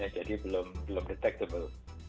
jadi belum detectable